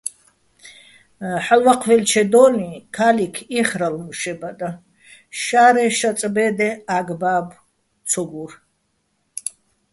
ჰ̦ალო̆ ვაჴვაჲლჩედო́ლიჼ ქა́ლიქ იხრალო̆ მუშებადაჼ, შარე შაწ ბე́დე ა́გ-ბა́ბო̆ ცო გურ.